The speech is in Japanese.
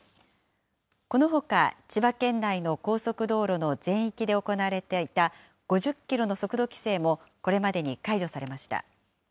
このほか、千葉県内の高速道路の全域で行われていた５０キロの速度規制もこれまでに解除されました。